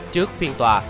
trước phiên tòa